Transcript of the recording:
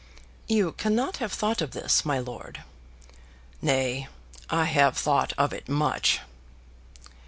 "You cannot have thought of this, my lord." "Nay; I have thought of it much."